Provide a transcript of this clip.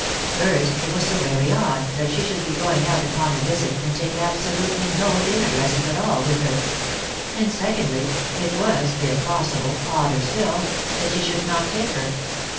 First, it was so very odd that she should be going out upon a visit and take absolutely no dinner dresses at all with her ; and secondly, it was, if possible, odder still, that she should not take her.